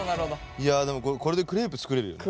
いやでもこれこれでクレープ作れるよね。